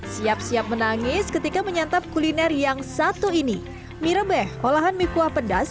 siap siap menangis ketika menyantap kuliner yang satu ini mie rebeh olahan mie kuah pedas